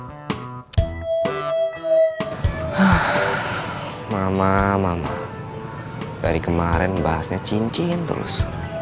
mama mama dari kemarin bahasnya cincin terus